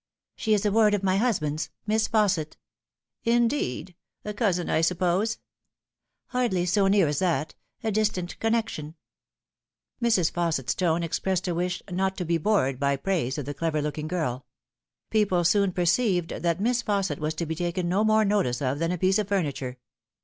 " She is a ward of my husband's : Miss Fausset." " Indeed ! A cousin, I suppose ?"" Hardly so near as that. A distant connection." Mrs. Fausset's tone expressed a wish not to be bored by praise of the clever looking girL People soon perceived that Miss Fausset was to be taken no more notice of than a piece of furniture.